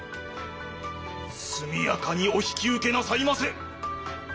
速やかにお引き受けなさいませ！